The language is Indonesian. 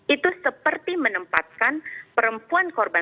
itu seperti menempatkan perempuan korban perempuan yang berusia sepuluh tahun